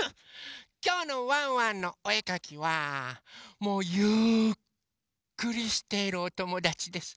きょうの「ワンワンのおえかき」はもうゆっくりしているおともだちです。